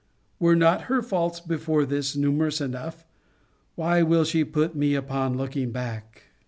Were not her faults, before this, numerous enough? Why will she put me upon looking back?